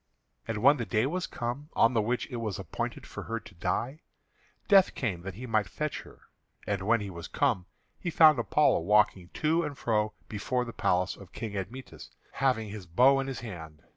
And when the day was come on the which it was appointed for her to die, Death came that he might fetch her. And when he was come, he found Apollo walking to and for before the palace of King Admetus, having his bow in his hand.